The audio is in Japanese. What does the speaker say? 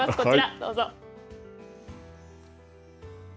どうぞ。